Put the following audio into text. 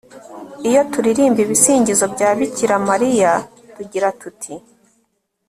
iyo turirimba ibisingizo bya bikira mariya tugira tuti